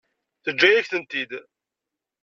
Teǧǧa-yak-tent-id.